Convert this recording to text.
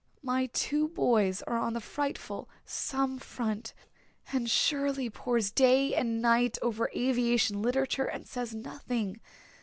My two boys are on the frightful Somme front and Shirley pores day and night over aviation literature and says nothing.